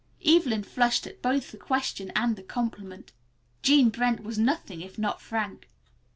Evelyn flushed at both the question and the compliment. Jean Brent was nothing if not frank.